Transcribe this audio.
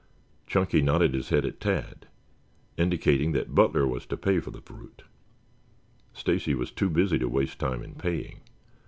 Chunky nodded his head at Tad, indicating that Butler was to pay for the fruit. Stacy was too busy to waste time in paying.